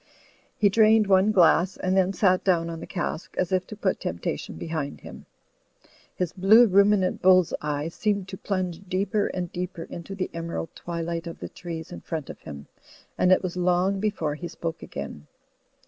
He drained one glass and then sat down on the cask, as if to put temptation behind him. His blue ruminant bull's eye seemed to pltmge deeper and deeper into the emerald twilight of the trees in front of him, and it was long before he spoke again.